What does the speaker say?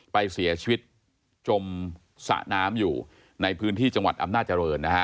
ไปเสียชีวิตจมสระน้ำอยู่ในพื้นที่จังหวัดอำนาจริงนะฮะ